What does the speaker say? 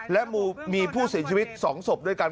และมีผู้เสียชีวิต๒ศพด้วยกัน